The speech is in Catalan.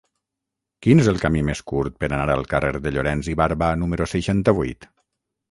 Quin és el camí més curt per anar al carrer de Llorens i Barba número seixanta-vuit?